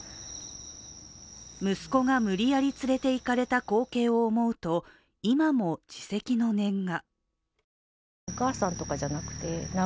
息子が無理やり連れていかれた光景を思うと今も、自責の念が。